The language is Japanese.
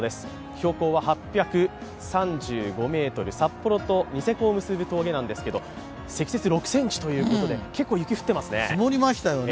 標高は８３５ｍ、札幌とニセコを結ぶ峠なんですが積雪６ｃｍということで、結構雪降ってますね。